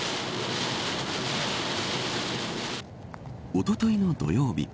おとといの土曜日